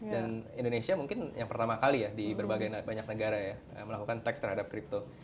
dan indonesia mungkin yang pertama kali ya di berbagai banyak negara ya melakukan tax terhadap crypto